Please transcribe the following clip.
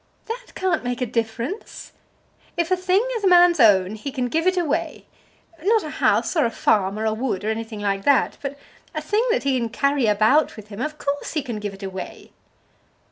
"That can't make a difference. If a thing is a man's own he can give it away; not a house, or a farm, or a wood, or anything like that; but a thing that he can carry about with him, of course he can give it away."